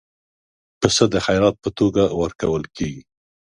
پسه د خیرات په توګه ورکول کېږي.